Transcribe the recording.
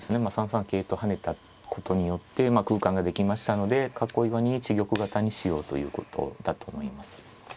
３三桂と跳ねたことによって空間ができましたので囲いを２一玉型にしようということだと思います。